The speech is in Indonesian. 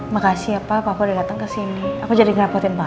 makasih ya pak papua udah datang ke sini aku jadi ngerepotin pak